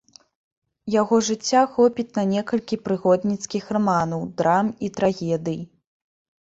Яго жыцця хопіць на некалькі прыгодніцкіх раманаў, драм і трагедый.